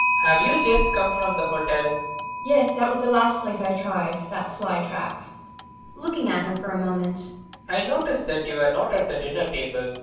] Have you just come from the hotel? MAIA. Yes, that was the last place I tried that fly trap. PROFESSOR RUBEK. [Looking at her for moment.] I noticed that you were not at the dinner table.